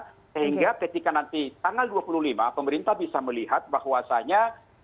sehingga ketika nanti tanggal dua puluh lima pemerintah bisa melihat bahwasannya